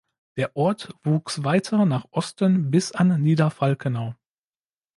Der Ort wuchs weiter nach Osten bis an Nieder Falkenau.